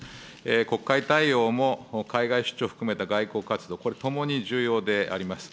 国会対応も海外出張含めた外交活動、これともに重要であります。